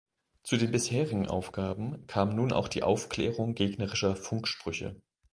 Zu den bisherigen Aufgaben kam nun auch die Aufklärung gegnerischer Funksprüche.